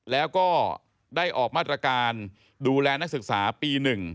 แล้วก็ได้ออกมาตรการดูแลนักศึกษาปี๑